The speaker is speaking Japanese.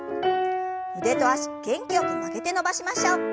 腕と脚元気よく曲げて伸ばしましょう。